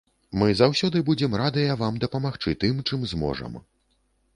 Мы заўсёды будзем радыя вам дапамагчы тым, чым зможам.